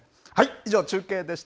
以上、中継でした。